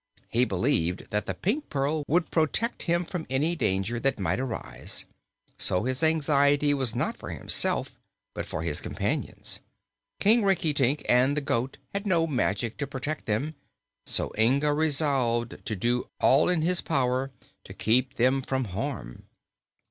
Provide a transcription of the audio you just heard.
He believed that the Pink Pearl would protect him from any danger that might arise; so his anxiety was not for himself, but for his companions. King Rinkitink and the goat had no magic to protect them, so Inga resolved to do all in his power to keep them from harm.